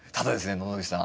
野々口さん